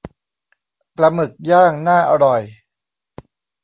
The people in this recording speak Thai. ปลาหมึกย่างน่าอร่อย